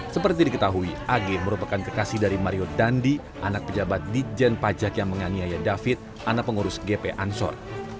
seperti diketahui ag merupakan kekasih dari mario dandi anak pejabat di jen pajak yang menganiaya david anak pengurus gp ansor